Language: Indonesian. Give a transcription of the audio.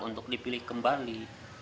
untuk dipilih kembali